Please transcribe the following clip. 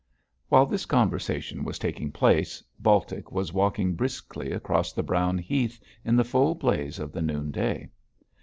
While this conversation was taking place, Baltic was walking briskly across the brown heath, in the full blaze of the noonday.